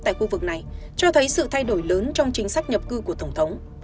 tại khu vực này cho thấy sự thay đổi lớn trong chính sách nhập cư của tổng thống